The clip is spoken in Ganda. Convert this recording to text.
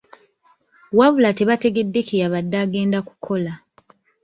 Wabula tebategedde kye yabadde agenda kukola.